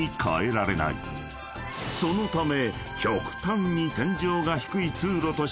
［そのため］